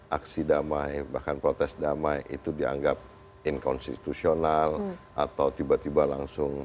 aksi damai bahkan protes damai itu dianggap inkonstitusional atau tiba tiba langsung